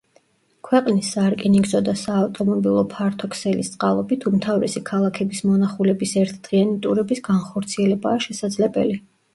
ქვეყნის სარკინიგზო და საავტომობილო ფართო ქსელის წყალობით უმთავრესი ქალაქების მონახულების ერთდღიანი ტურების განხორციელებაა შესაძლებელი.